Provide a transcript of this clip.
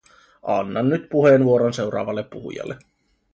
Annan nyt puheenvuoron seuraavalle puhujalle.